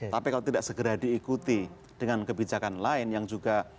tapi kalau tidak segera diikuti dengan kebijakan lain yang juga